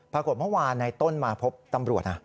ปรากฏเมื่อวานในต้นมาพบตำรวจ